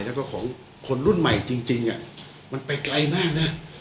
แล้วก็ของคนรุ่นใหม่จริงมันไปไกลมากนะ